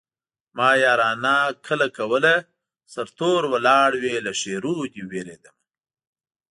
ما يارانه کله کوله سرتور ولاړ وې له ښېرو دې وېرېدمه